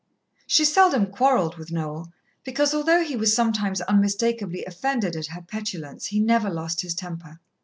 She seldom quarrelled with Noel because, although he was sometimes unmistakably offended at her petulance, he never lost his temper.